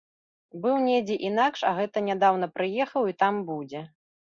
Быў недзе інакш, а гэта нядаўна прыехаў і там будзе.